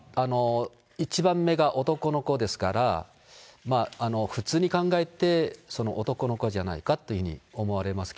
１番目が男の子ですから、普通に考えてその男の子じゃないかっていうふうに思われます